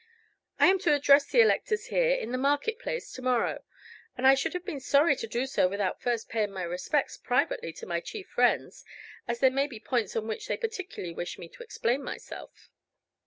"I am to address the electors here, in the Market Place, to morrow; and I should have been sorry to do so without first paying my respects privately to my chief friends, as there may be points on which they particularly wish me to explain myself."